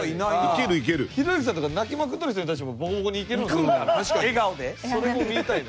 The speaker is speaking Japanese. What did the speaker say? ひろゆきさんとか泣きまくっとる人に対してもボコボコにいけるんかな？